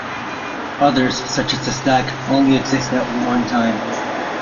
Others, such as the stack, only exist at run time.